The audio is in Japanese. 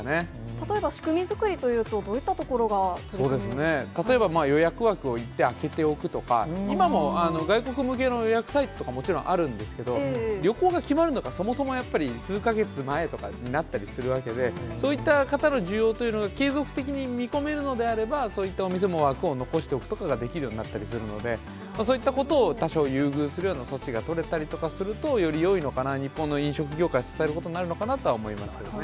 例えば、仕組みづくりというそうですね、例えば予約枠を一定空けておくとか、今も外国向けの予約サイトとかもちろんあるんですけど、旅行が決まるのがそもそもやっぱり数か月前とかになったりするわけで、そういった方の需要というのを継続的に見込めるのであれば、そういったお店も枠を残しておくとかができるようになったりするので、そういったことを多少優遇するような措置が取れたりとかすると、よりよいのかな、日本の飲食業界、支えることになるのかと思うんですね。